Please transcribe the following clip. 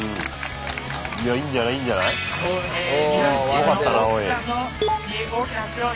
よかったなおい。